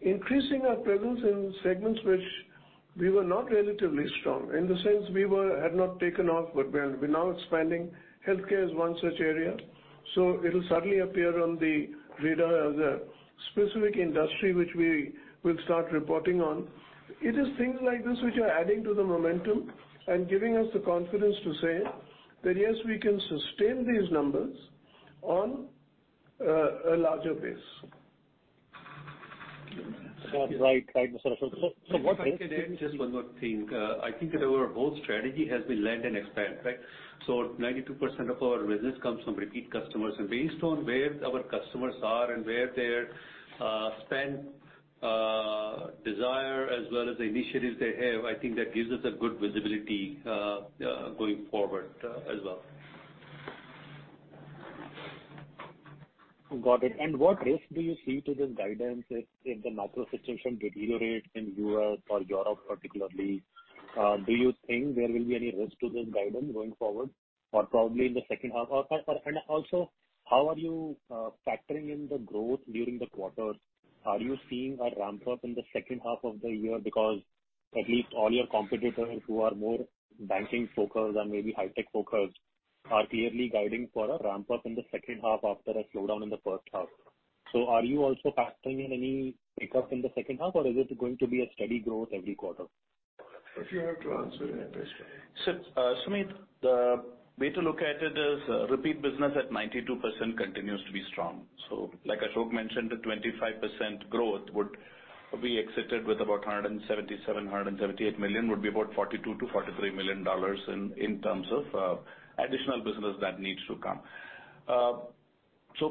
increasing our presence in segments which we were not relatively strong in the sense had not taken off, but we're now expanding. Healthcare is one such area. It'll suddenly appear on the radar as a specific industry which we will start reporting on. It is things like this which are adding to the momentum and giving us the confidence to say that, yes, we can sustain these numbers on a larger base. Right. If I can add just one more thing. I think that our whole strategy has been learn and expand, right? 92% of our business comes from repeat customers. Based on where our customers are and where their spend desire as well as the initiatives they have, I think that gives us a good visibility going forward as well. Got it. What risk do you see to this guidance if the macro situation deteriorates in U.S. or Europe particularly? Do you think there will be any risk to this guidance going forward or probably in the second half? Also, how are you factoring in the growth during the quarter? Are you seeing a ramp up in the second half of the year? At least all your competitors who are more banking focused and maybe high tech focused are clearly guiding for a ramp up in the second half after a slowdown in the first half. Are you also factoring in any pickup in the second half, or is it going to be a steady growth every quarter? If you have to answer it, Ashok. Sumit, the way to look at it is, repeat business at 92% continues to be strong. Like Ashok mentioned, the 25% growth would be exited with about 177 million-178 million, would be about $42 million-$43 million in terms of additional business that needs to come.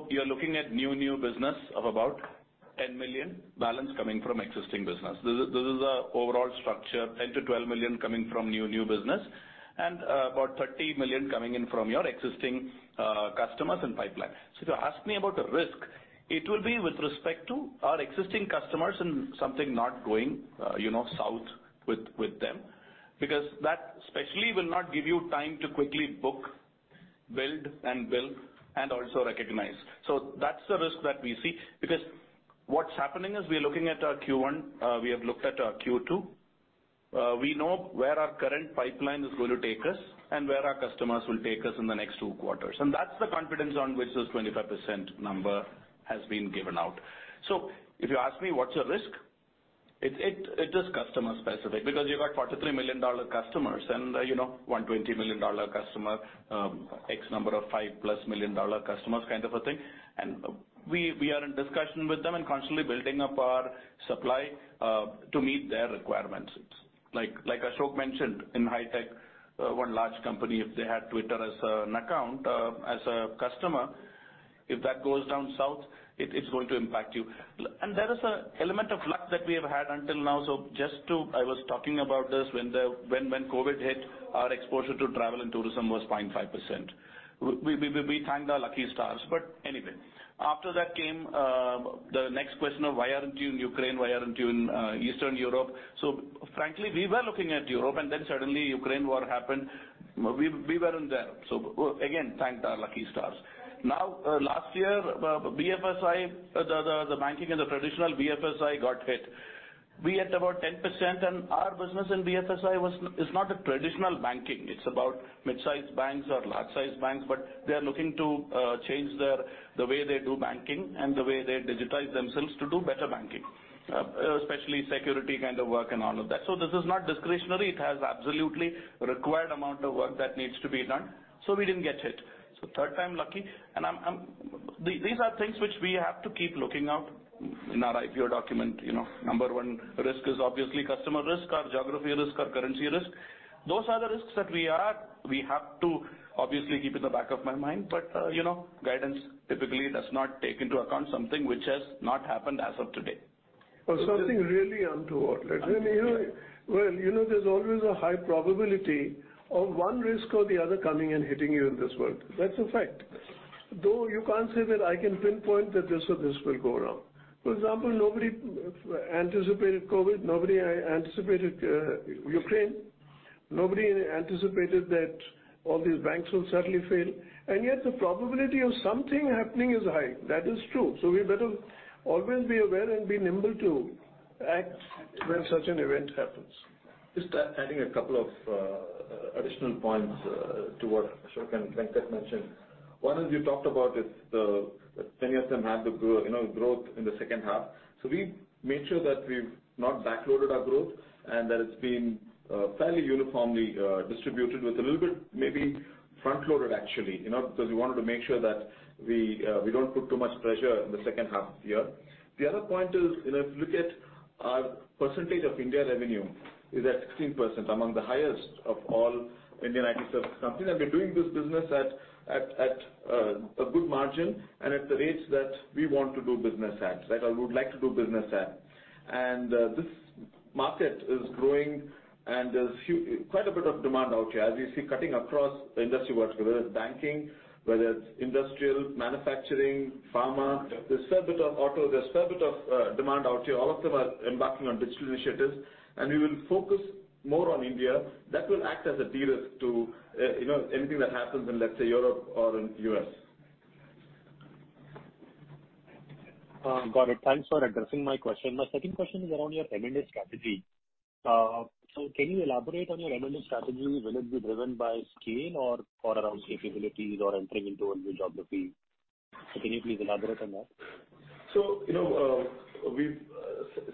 You're looking at new business of about 10 million, balance coming from existing business. This is the overall structure, 10 million-12 million coming from new business and about 30 million coming in from your existing customers and pipeline. If you ask me about the risk, it will be with respect to our existing customers and something not going, you know, south with them because that especially will not give you time to quickly book, build and bill and also recognize. That's the risk that we see. What's happening is we're looking at our Q1, we have looked at our Q2. We know where our current pipeline is going to take us and where our customers will take us in the next 2 quarters. That's the confidence on which this 25% number has been given out. If you ask me what's the risk, it is customer specific because you've got $43 million customers and, you know, $120 million customer, X number of $5+ million customers kind of a thing. We are in discussion with them and constantly building up our supply to meet their requirements. Like Ashok mentioned, in high tech, one large company, if they had Twitter as an account, as a customer, if that goes down south, it's going to impact you. There is a element of luck that we have had until now. Just to... I was talking about this when COVID hit, our exposure to travel and tourism was 0.5%. We thank our lucky stars. Anyway, after that came the next question of why aren't you in Ukraine? Why aren't you in Eastern Europe? Frankly, we were looking at Europe and then suddenly Ukraine war happened. We weren't there. Again, thanked our lucky stars. Now, last year, BFSI, the banking and the traditional BFSI got hit. We had about 10%. Our business in BFSI is not a traditional banking. It's about mid-size banks or large-size banks. They are looking to change their, the way they do banking and the way they digitize themselves to do better banking, especially security kind of work and all of that. This is not discretionary. It has absolutely required amount of work that needs to be done. We didn't get hit. Third time lucky. These are things which we have to keep looking out in our IPO document. You know, number 1 risk is obviously customer risk or geography risk or currency risk. Those are the risks that we have to obviously keep in the back of my mind. You know, guidance typically does not take into account something which has not happened as of today. Something really untoward. Well, you know, there's always a high probability of one risk or the other coming and hitting you in this world. That's a fact. Though you can't say that I can pinpoint that this or this will go wrong. For example, nobody anticipated COVID, nobody anticipated Ukraine. Nobody anticipated that all these banks will suddenly fail. Yet the probability of something happening is high. That is true. We better always be aware and be nimble to act when such an event happens. Just adding a couple of additional points to what Ashok and Venkat mentioned. One is we talked about many of them have the you know, growth in the second half. We've made sure that we've not backloaded our growth and that it's been fairly uniformly distributed with a little bit maybe front-loaded actually, you know, because we wanted to make sure that we don't put too much pressure in the second half of the year. The other point is, you know, if you look at our percentage of India revenue is at 16%, among the highest of all Indian IT service companies. We're doing this business at a good margin and at the rates that we want to do business at, that I would like to do business at. This market is growing and there's quite a bit of demand out here. As you see cutting across industry vertical, whether it's banking, whether it's industrial, manufacturing, pharma, there's fair bit of auto, there's fair bit of demand out here. All of them are embarking on digital initiatives. We will focus more on India. That will act as a de-risk to, you know, anything that happens in, let's say, Europe or in U.S. Got it. Thanks for addressing my question. My second question is around your M and A strategy. Can you elaborate on your M&A strategy? Will it be driven by scale or around capabilities or entering into a new geography? Can you please elaborate on that? You know, we've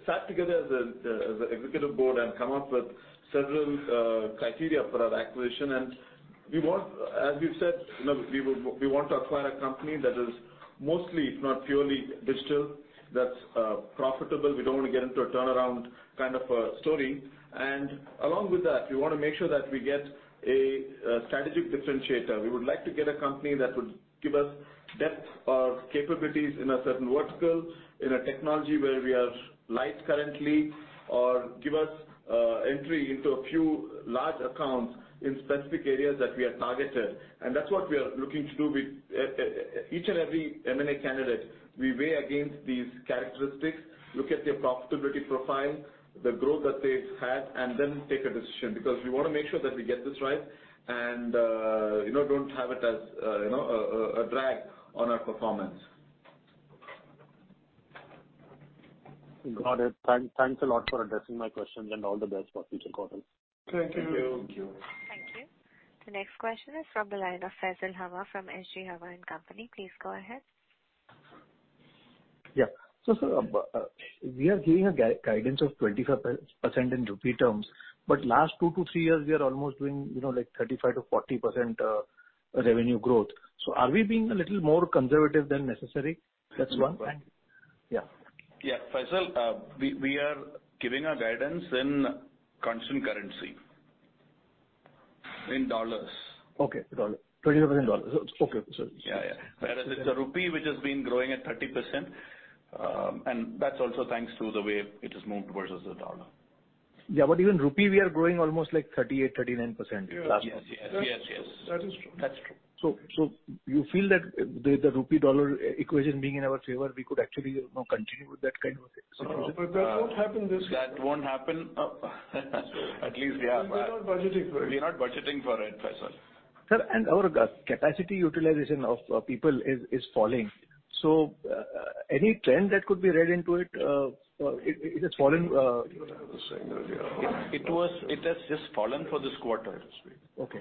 sat together as a executive board and come up with several criteria for our acquisition. As we've said, you know, we want to acquire a company that is mostly, if not purely digital, that's profitable. We don't want to get into a turnaround kind of a story. Along with that, we want to make sure that we get a strategic differentiator. We would like to get a company that would give us depth of capabilities in a certain vertical, in a technology where we are light currently or give us entry into a few large accounts in specific areas that we are targeted. That's what we are looking to do with each and every M&A candidate. We weigh against these characteristics, look at their profitability profile, the growth that they've had, and then take a decision because we want to make sure that we get this right and, you know, don't have it as, you know, a drag on our performance. Got it. Thanks a lot for addressing my questions and all the best for future quarters. Thank you. Thank you. Thank you. The next question is from the line of Faisal Hawa from H G Hawa & Co Please go ahead. Sir, we are giving a guidance of 25% in rupee terms. Last two-three years, we are almost doing, you know, like 35%-40% revenue growth. Are we being a little more conservative than necessary? That's one. Yeah. Faisal, we are giving a guidance in constant currency. In dollars. Okay, dollars. $27. Okay. Yeah, yeah. Whereas it's the rupee which has been growing at 30%, and that's also thanks to the way it has moved versus the dollar. Yeah, even INR we are growing almost like 38%-39%. Yes. Yes, yes. That is true. That's true. You feel that the rupee dollar e-equation being in our favor, we could actually, you know, continue with that kind of solution? That won't happen this year. That won't happen. At least, yeah. We're not budgeting for it. We're not budgeting for it, Faisal. Sir, our capacity utilization of people is falling. Any trend that could be read into it? It has fallen. That's what I was saying earlier. It has just fallen for this quarter. Okay.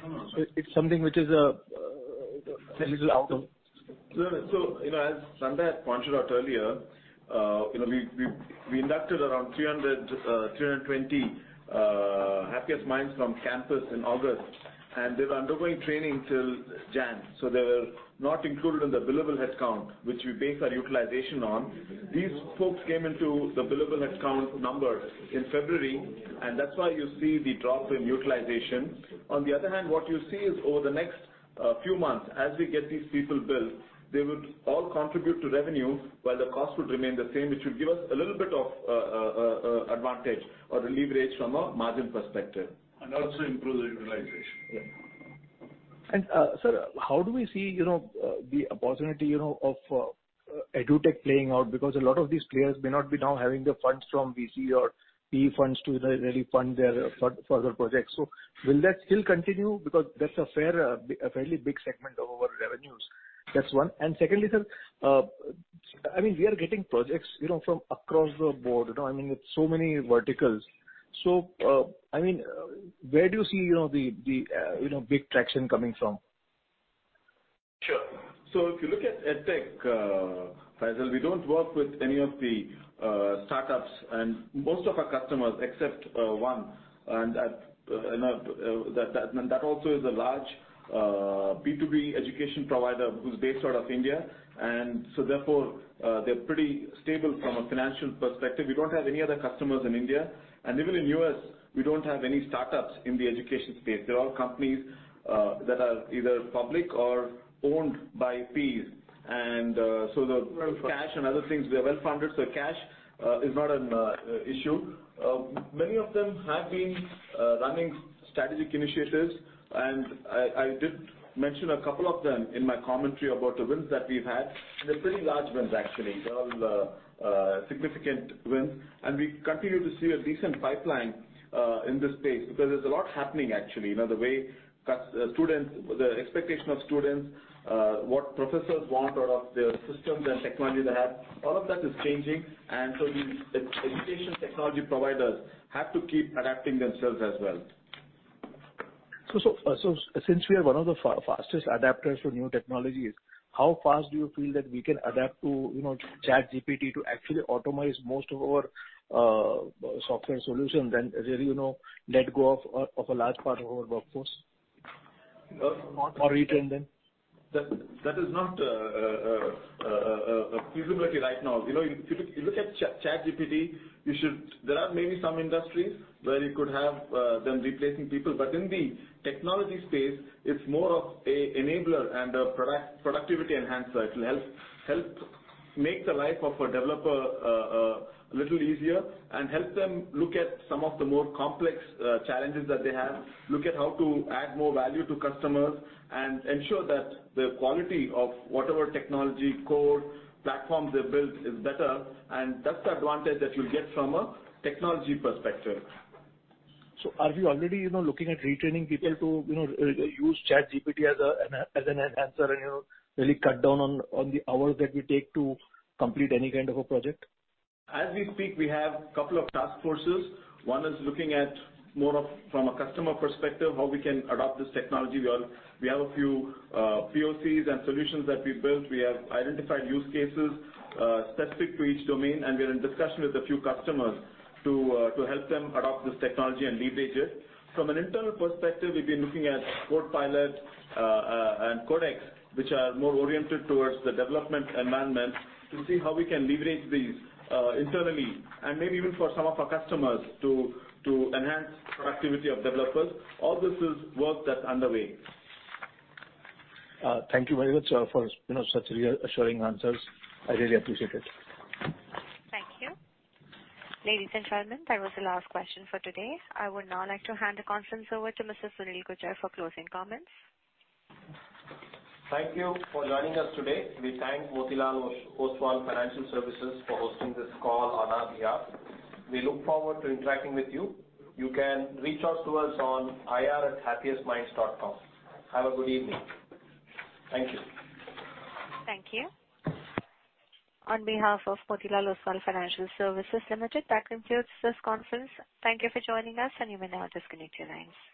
It's something which is a little out of... You know, as Sandhya had pointed out earlier, you know, we inducted around 320 Happiest Minds from campus in August, and they were undergoing training till January. They were not included in the billable headcount, which we base our utilization on. These folks came into the billable headcount number in February. That's why you see the drop in utilization. On the other hand, what you see is over the next few months, as we get these people billed, they would all contribute to revenue while the cost would remain the same, which would give us a little bit of advantage or leverage from a margin perspective. Also improve the utilization. Yeah. sir, how do we see, you know, the opportunity, you know, of Edutech playing out? Because a lot of these players may not be now having the funds from VC or PE funds to really fund their further projects. Will that still continue? Because that's a fair, a fairly big segment of our revenues. That's one. secondly, sir, I mean, we are getting projects, you know, from across the board. You know, I mean, it's so many verticals. I mean, where do you see, you know, the, you know, big traction coming from? Sure. If you look at Edtech, Faisal, we don't work with any of the startups. Most of our customers except one, and that also is a large B2B education provider who's based out of India. Therefore, they're pretty stable from a financial perspective. We don't have any other customers in India. Even in U.S., we don't have any startups in the education space. They're all companies that are either public or owned by PEs. So the cash and other things, they're well-funded, so cash is not an issue. Many of them have been running strategic initiatives, and I did mention a couple of them in my commentary about the wins that we've had. They're pretty large wins, actually. They're all significant wins. We continue to see a decent pipeline in this space because there's a lot happening actually. You know, the way students, the expectation of students, what professors want out of their systems and technology they have, all of that is changing. The education technology providers have to keep adapting themselves as well. Since we are one of the fastest adapters to new technologies, how fast do you feel that we can adapt to, you know, ChatGPT to actually automate most of our software solution than really, you know, let go of a large part of our workforce? Or retrain them? That is not a feasibility right now. You know, if you look at ChatGPT, There are maybe some industries where you could have them replacing people. In the technology space, it's more of a enabler and a product, productivity enhancer. It'll help make the life of a developer a little easier and help them look at some of the more complex challenges that they have, look at how to add more value to customers, and ensure that the quality of whatever technology, code, platform they build is better. That's the advantage that you'll get from a technology perspective. Are we already, you know, looking at retraining people to, you know, use ChatGPT as a, as an enhancer and, you know, really cut down on the hours that we take to complete any kind of a project? As we speak, we have couple of task forces. One is looking at more of from a customer perspective, how we can adopt this technology well. We have a few POCs and solutions that we built. We have identified use cases specific to each domain, and we're in discussion with a few customers to help them adopt this technology and leverage it. From an internal perspective, we've been looking at Copilot and Codex, which are more oriented towards the development environment, to see how we can leverage these internally and maybe even for some of our customers to enhance productivity of developers. All this is work that's underway. Thank you very much for, you know, such reassuring answers. I really appreciate it. Thank you. Ladies and gentlemen, that was the last question for today. I would now like to hand the conference over to Mr. Sunil Khandelwal for closing comments. Thank you for joining us today. We thank Motilal Oswal Financial Services for hosting this call on our behalf. We look forward to interacting with you. You can reach out to us on ir@happiestminds.com. Have a good evening. Thank you. Thank you. On behalf of Motilal Oswal Financial Services Limited, that concludes this conference. Thank you for joining us, and you may now disconnect your lines.